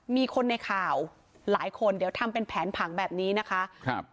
มีคนในข่าวหลายคนเดี๋ยวทำเป็นแผนผังแบบนี้นะคะครับ